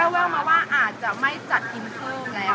แววมาว่าอาจจะไม่จัดพิมพ์แล้ว